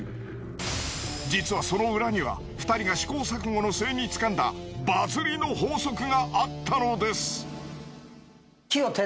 実はその裏には２人が試行錯誤の末に掴んだバズりの法則があったのです。